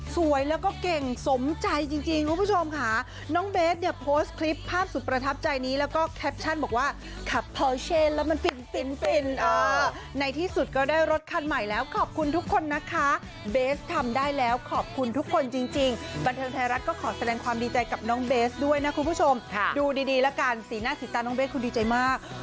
สวยแล้วก็เก่งสมใจจริงคุณผู้ชมค่ะน้องเบสเนี่ยโพสต์คลิปภาพสุดประทับใจนี้แล้วก็แคปชั่นบอกว่าขับพอลเชนแล้วมันฟินฟินฟินในที่สุดก็ได้รถคันใหม่แล้วขอบคุณทุกคนนะคะเบสทำได้แล้วขอบคุณทุกคนจริงบันเทิงไทยรัฐก็ขอแสดงความดีใจกับน้องเบสด้วยนะคุณผู้ชมดูดีแล้วกันสีหน้าสีตาน้องเบสคุณดีใจมาก